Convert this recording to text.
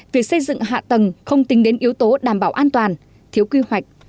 việc xây dựng hạ tầng không tính đến yếu tố đảm bảo an toàn thiếu quy hoạch